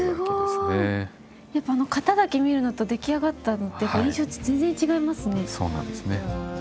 すごいやっぱあの型だけ見るのと出来上がったのって印象って全然違いますね。